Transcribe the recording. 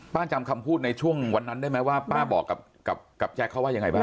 จำคำพูดในช่วงวันนั้นได้ไหมว่าป้าบอกกับแจ๊คเขาว่ายังไงบ้าง